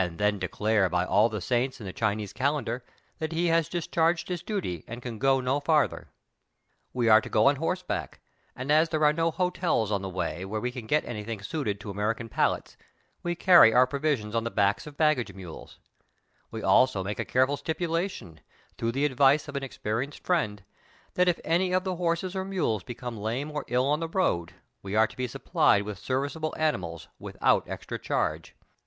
then declare by all the saints in the Chinese calen dar that he has discharged his duty and can go no farther. We are to go on horseback, and as there are no hotels on the way where we can get any thing suited to American palates, we carry our provisions on the backs of baggage mules ; we also make a careful stipulation, through the advice of an experienced friend, that if any of the horses or mules become lame or ill on the road we are to be supplied with serviceable animals without extra charge.